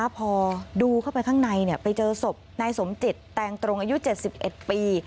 พอดูเข้าไปข้างในไปเจอศพนายสมจิตแตงตรงอายุ๗๑ปี